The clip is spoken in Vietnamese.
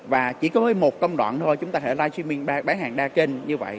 và chỉ có một công đoạn thôi chúng ta có thể live streaming bán hàng đa kênh như vậy